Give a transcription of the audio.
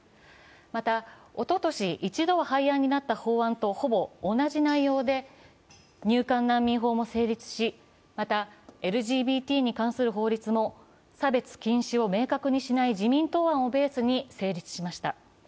また、おととし一度は廃案となった法案とほぼ同じ内容で入管難民法も成立し、またＬＧＢＴに関する法律も差別禁止を明確にしない自民党案をベースに成立しました。